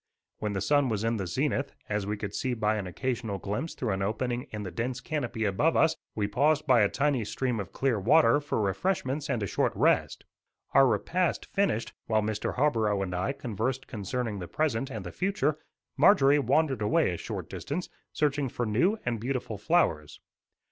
When the sun was in the zenith, as we could see by an occasional glimpse through an opening in the dense canopy above us, we paused by a tiny stream of clear water for refreshments and a short rest. Our repast finished, while Mr. Harborough and I conversed concerning the present and the future, Marjorie wandered away a short distance, searching for new and beautiful flowers.